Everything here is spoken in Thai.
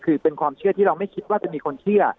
คือเป็นความเชื่อที่เราไม่คิดว่าจะมีคนเชื่อ